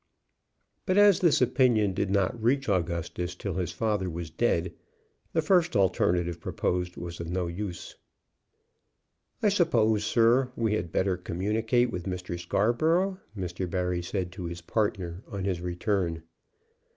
But as this opinion did not reach Augustus till his father was dead, the first alternative proposed was of no use. "I suppose, sir, we had better communicate with Mr. Scarborough?" Mr. Barry said to his partner, on his return.